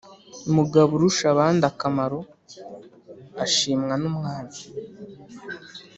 mugaborushabandakamaro ashimwa n' umwami.